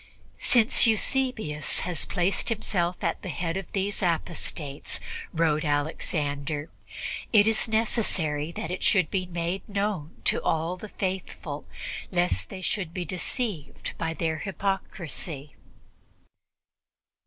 "Since Eusebius has placed himself at the head of these apostates," wrote Alexander, "it is necessary that it should be made known to all the faithful, lest they should be deceived by their hypocrisy."